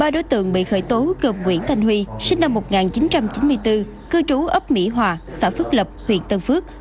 ba đối tượng bị khởi tố gồm nguyễn thanh huy sinh năm một nghìn chín trăm chín mươi bốn cư trú ấp mỹ hòa xã phước lập huyện tân phước